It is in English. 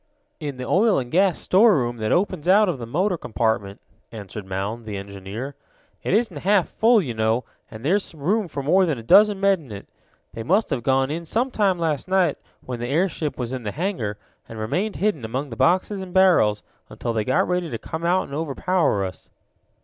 "In the oil and gasoline storeroom that opens out of the motor compartment," answered Mound, the engineer. "It isn't half full, you know, and there's room for more than a dozen men in it. They must have gone in some time last night, when the airship was in the hangar, and remained hidden among the boxes and barrels until they got ready to come out and overpower us."